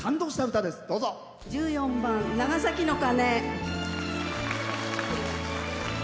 １４番「長崎の鐘」。